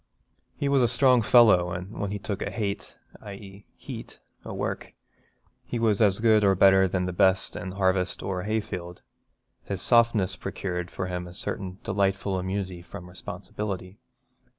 He was a strong fellow and when he 'took a hate (i.e. heat) o' work' he was as good or better than the best in harvest or hayfield. His softness procured for him a certain delightful immunity from responsibility.